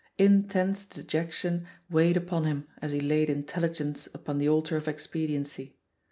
Intense de jection weighed upon him as he laid intelligence upon the altar of expediency.